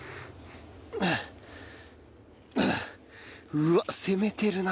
うわっ攻めてるな。